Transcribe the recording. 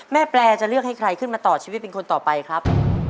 แปลจะเลือกให้ใครขึ้นมาต่อชีวิตเป็นคนต่อไปครับ